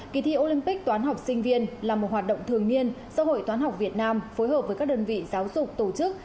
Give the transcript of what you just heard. kỳ thi olympic toán học sinh viên là một hoạt động thường niên do hội toán học việt nam phối hợp với các đơn vị giáo dục tổ chức